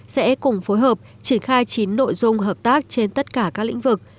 sẽ cùng phối hợp triển khai chín nội dung hợp tác trên tất cả các lĩnh vực